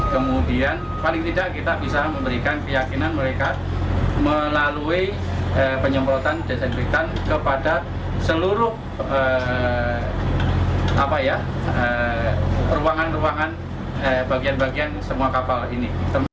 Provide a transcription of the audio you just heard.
kemudian paling tidak kita bisa memberikan keyakinan mereka melalui penyemprotan desinfektan kepada seluruh ruangan ruangan bagian bagian semua kapal ini